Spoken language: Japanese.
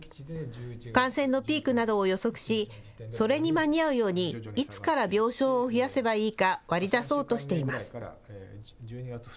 感染のピークなどを予測し、それに間に合うように、いつから病床を増やせばいいか割り出そうとしています。